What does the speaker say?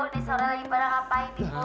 desaulah lagi barang apaan nih bu